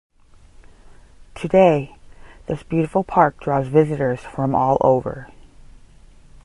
Today, this beautiful park draws visitors from all over.